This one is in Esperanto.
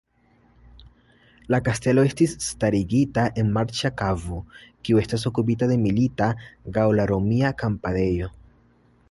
La kastelo estis starigita en marĉa kavo, kiu estis okupita de milita gaŭla-romia kampadejo.